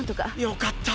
よかった。